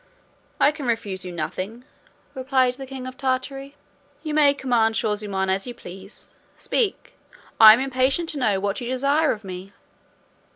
"I can refuse you nothing," replied the king of Tartary; "you may command Shaw zummaun as you please: speak, I am impatient to know what you desire of me."